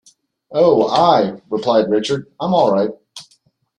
"Oh, aye," replied Richard, "I'm all right."